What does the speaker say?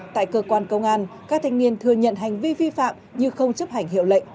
tại cơ quan công an các thanh niên thừa nhận hành vi vi phạm như không chấp hành hiệu lệnh